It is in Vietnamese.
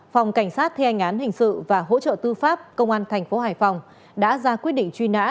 phòng cảnh sát thê anh án hình sự và hỗ trợ tư pháp công an tp hải phòng đã ra quyết định truy nã